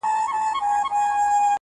له هنداري څه بېــخاره دى لوېـــدلى.